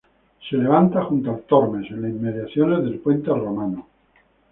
Se levanta junto al Tormes en las inmediaciones del Puente Romano.